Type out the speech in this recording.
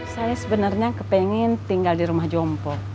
saya sebenarnya kepengen tinggal di rumah jompo